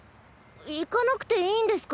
行かなくていいんですか？